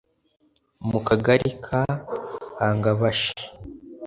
mu kagali ka Hangabashi